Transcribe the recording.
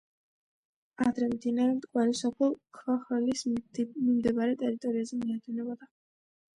ადრე, მდინარე მტკვარი, სოფელ ქვახვრელის მიმდებარე ტერიტორიაზე მიედინებოდა.